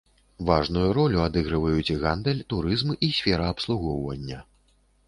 Важную ролю адыгрываюць гандаль, турызм і сфера абслугоўвання.